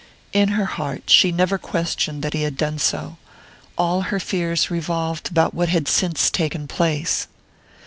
Yet in her heart she never questioned that he had done so; all her fears revolved about what had since taken place.